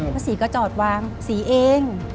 ป้าศรีก็จอดวางศรีเอง